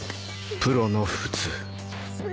プロの普通